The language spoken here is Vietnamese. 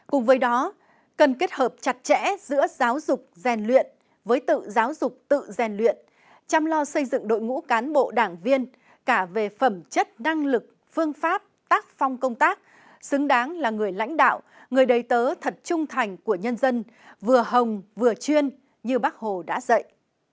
cùng với đó cần kết hợp chặt chẽ giữa giáo dục rèn luyện với tự giáo dục tự rèn luyện chăm lo xây dựng đội ngũ cán bộ đảng viên cả về phẩm chất năng lực phương pháp tác phong công tác xứng đáng là người lãnh đạo người đầy tớ thật trung thành của nhân dân vừa hồng vừa chuyên như bác hồ đã dạy